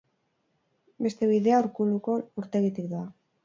Beste bidea, Urkuluko urtegitik doa.